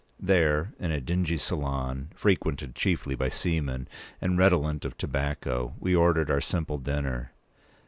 There, in a dingy salon, frequented chiefly by seamen, and redolent of tobacco, we ordered our simple dinner.